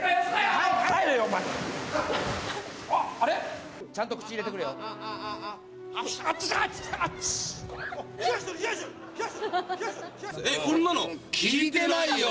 早く入れよ、ちゃんと口に入れてくれよ。